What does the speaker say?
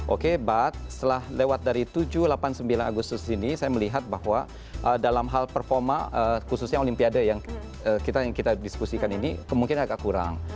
oke but setelah lewat dari tujuh delapan sembilan agustus ini saya melihat bahwa dalam hal performa khususnya olimpiade yang kita diskusikan ini kemungkinan agak kurang